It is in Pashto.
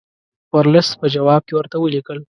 ورلسټ په جواب کې ورته ولیکل.